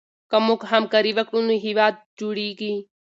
که موږ همکاري وکړو نو هېواد جوړېږي.